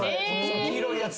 黄色いやつ。